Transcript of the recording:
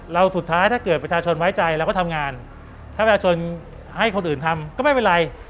สุดท้ายถ้าเกิดประชาชนไว้ใจเราก็ทำงานถ้าประชาชนให้คนอื่นทำก็ไม่เป็นไร